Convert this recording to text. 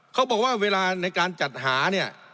เขาบอกว่าเวลาในการจัดหาเนี่ย